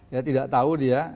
ya tidak tahu dia